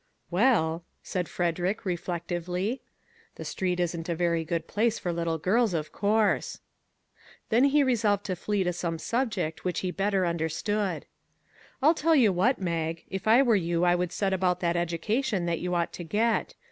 "Well," said Frederick, reflectively, "the street isn't a very good place for little girls, of course." Then he resolved to flee to some subject which he better understood. " I'll tell you what, Mag, if I were you I would set about that education that you ought to get.